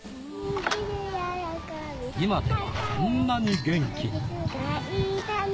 今では、こんなに元気に。